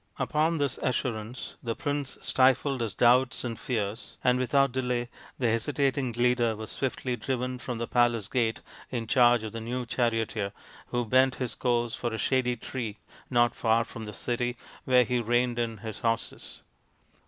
Upon this assurance the prince stifled his doubts and fears, and without delay the hesitating leader was swiftly driven from the palace gate in charge of the new charioteer, who bent his course for a shady tree not far from the city, where he reined in his horses.